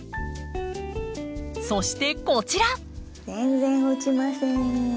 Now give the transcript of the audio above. そしてこちら。